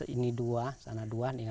ini dua sana dua